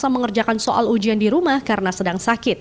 mengerjakan soal ujian di rumah karena sedang sakit